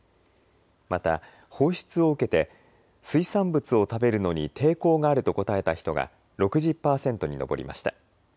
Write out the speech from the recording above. また放出を受けて水産物を食べるのに抵抗があると答えた人が６０％に上りました。